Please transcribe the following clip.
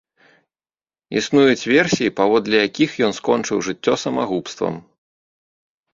Існуюць версіі, паводле якіх ён скончыў жыццё самагубствам.